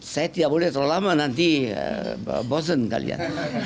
saya tidak boleh terlalu lama nanti bosen kalian